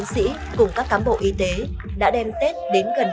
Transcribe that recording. với cuộc sống tốt đẹp hơn